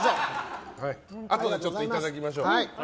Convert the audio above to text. あとでいただきましょう。